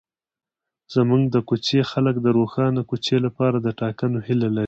زموږ د کوڅې خلک د روښانه کوڅې لپاره د ټاکنو هیله لري.